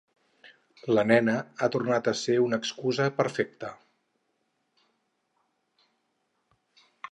La nena ha tornat a ser una excusa perfecta.